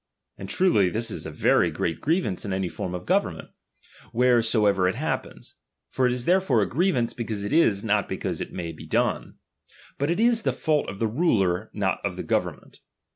And truly this is a very great grievance in any form of government, wheresoever it happens ; for it is therefore a grievance, because it is, not because it may be done. But it is the fault of the ruler, not of the government.